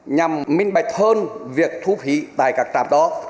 nhằm minh bạch hơn việc thu phí tại các trạm đó